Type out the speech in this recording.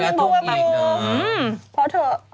เพราะเถอะ